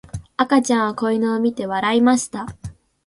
赤ちゃんは子犬を見て笑いました。